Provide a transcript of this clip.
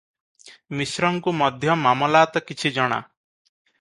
ମିଶ୍ରଙ୍କୁ ମଧ୍ୟ ମାମଲତ କିଛି ଜଣା ।